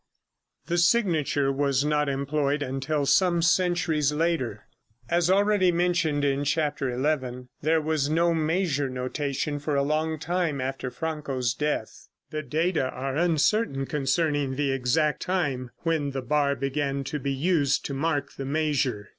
The signature was not employed until some centuries later. As already mentioned in chapter XI, there was no measure notation for a long time after Franco's death. The data are uncertain concerning the exact time when the bar began to be used to mark the measure.